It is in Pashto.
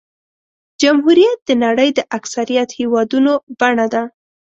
جمهوریت د نړۍ د اکثریت هېوادونو بڼه ده.